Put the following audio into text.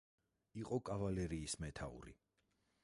იყო კავალერიის მეთაური.